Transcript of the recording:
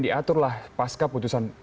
diaturlah pasca putusan